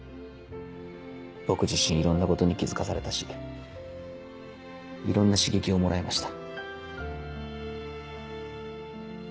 僕自身いろんなことに気付かされたしいろんな刺激をもらいました。